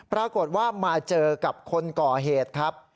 ปรากฏว่ามาเจอกับคนก่อเหตุครับ